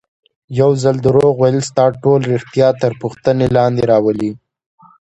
یو ځل دروغ ویل ستا ټول ریښتیا تر پوښتنې لاندې راولي.